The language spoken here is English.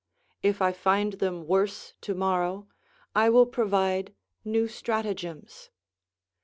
If I find them worse tomorrow, I will provide new stratagems.